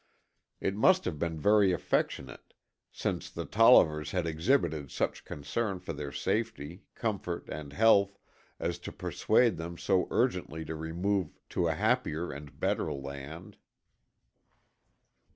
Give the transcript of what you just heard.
It must have been very affectionate, since the Tollivers had exhibited such concern for their safety, comfort and health as to persuade them so urgently to remove to a happier and better land.